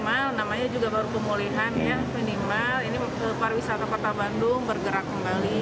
ini pariwisata kota bandung bergerak kembali bangkit kembali